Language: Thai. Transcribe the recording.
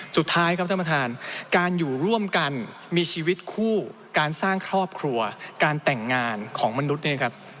สุดท้ายครับท่านประธานการอยู่ร่วมกันมีชีวิตคู่การสร้างครอบครัวการแต่งงานของมนุษย์เนี่ยครับ